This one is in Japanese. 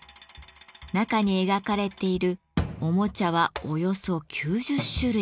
中に描かれているおもちゃはおよそ９０種類。